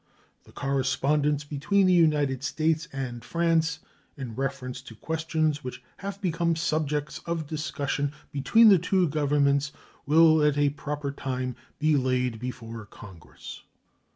The correspondence between the United States and France in reference to questions which have become subjects of discussion between the two Governments will at a proper time be laid before Congress.